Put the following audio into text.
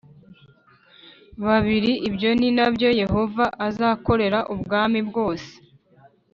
Babiri ibyo ni na byo yehova azakorera ubwami bwose